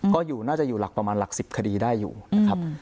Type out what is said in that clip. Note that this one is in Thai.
ก็อยู่น่าจะอยู่หลักประมาณหลัก๑๐คดีได้อยู่นะครับ